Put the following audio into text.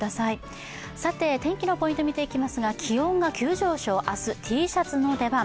天気のポイント見ていきますが気温が急上昇明日、Ｔシャツの出番。